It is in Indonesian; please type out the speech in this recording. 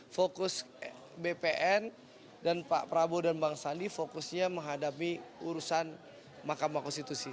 fokus bpn dan pak prabowo dan bang sandi fokusnya menghadapi urusan mahkamah konstitusi